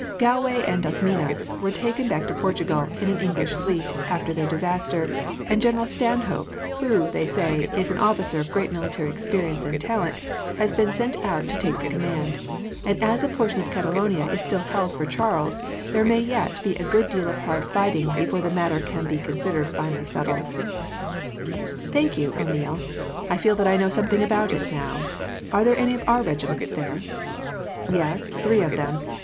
"Galway and Das Minas were taken back to Portugal, in an English fleet, after their disaster, and General Stanhope, who, they say, is an officer of great military experience and talent, has been sent out to take the command; and as a portion of Catalonia is still held for Charles, there may yet be a good deal of hard fighting, before the matter can be considered finally settled." "Thank you, O'Neil. I feel that I know something about it, now. Are there any of our regiments there?" "Yes, three of them.